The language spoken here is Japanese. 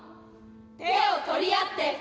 手を取り合って。